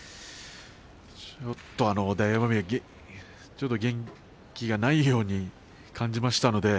大奄美ちょっと元気がないように感じましたね。